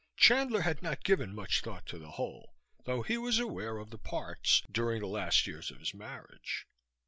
Chandler had not given much thought to the whole, though he was aware of the parts, during the last years of his marriage.